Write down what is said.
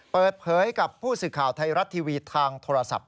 เปิดเผยกับผู้สื่อข่าวไทยรัฐทีวีทางโทรศัพท์